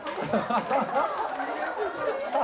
ハハハハ。